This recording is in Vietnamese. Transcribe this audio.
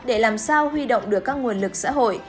để làm sao huy động được các nguồn lực xã hội